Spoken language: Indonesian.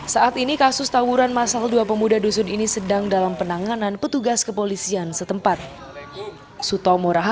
saat ini kasus tawuran masal dua pemuda dusun ini sedang dalam penanganan petugas kepolisian setempat